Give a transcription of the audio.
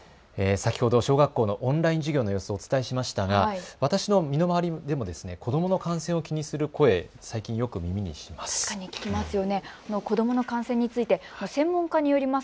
先ほど小学校のオンライン授業の様子をお伝えしましたが私の身の回りでも子どもの感染を気にする声、最近よく耳にします。